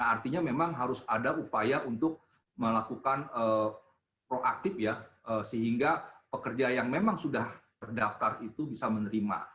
artinya memang harus ada upaya untuk melakukan proaktif ya sehingga pekerja yang memang sudah terdaftar itu bisa menerima